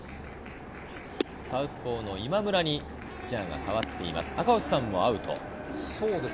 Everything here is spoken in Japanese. サウスポーの今村にピッチャーが代わっています。